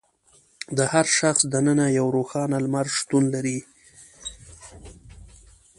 د هر شخص دننه یو روښانه لمر شتون لري.